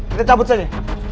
kita cabut saja